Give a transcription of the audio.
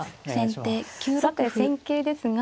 さて戦型ですが。